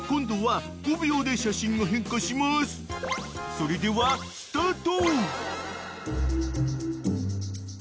［それではスタート！］